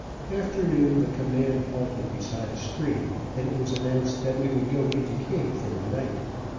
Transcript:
Afternoon the command halted beside a stream, and it was announced that we would go into camp for the night.